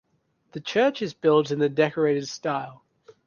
The church is built in the Decorated style.